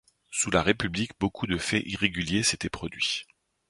Sous la république beaucoup de faits irréguliers s’étaient produits.